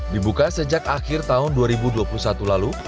dibuka sejak akhir tahun dua ribu dua puluh satu lalu